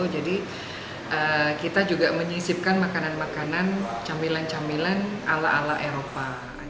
jadi kita juga menyisipkan makanan makanan camilan camilan ala ala eropa